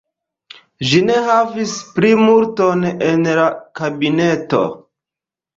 Ĝi ne havis plimulton en la kabineto.